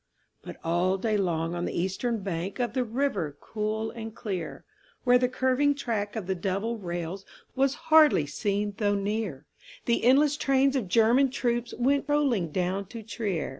But all day long on the eastern bank Of the river cool and clear, Where the curving track of the double rails Was hardly seen though near, The endless trains of German troops Went rolling down to Trier.